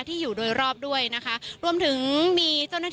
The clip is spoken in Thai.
ที่อยู่โดยรอบด้วยนะคะ